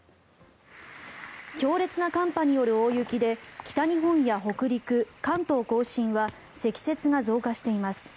強烈な寒波による大雪で北日本や北陸、関東・甲信は積雪が増加しています。